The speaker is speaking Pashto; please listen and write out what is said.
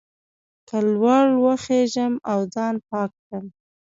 که لوړ وخېژم او ځان پاک کړم.